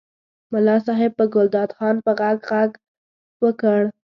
ملا صاحب په ګلداد خان په غږ غږ وکړ.